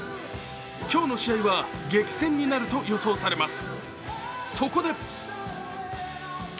今日の試合は激戦になると予想されます。